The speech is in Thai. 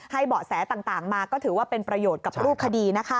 เบาะแสต่างมาก็ถือว่าเป็นประโยชน์กับรูปคดีนะคะ